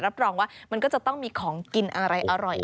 รับรองว่ามันก็จะต้องมีของกินอะไรอร่อย